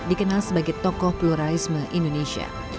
dikenal sebagai tokoh pluralisme indonesia